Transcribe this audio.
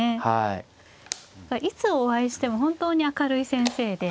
いつお会いしても本当に明るい先生で。